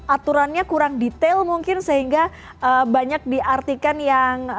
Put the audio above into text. aturannya kurang detail mungkin sehingga banyak diartikan yang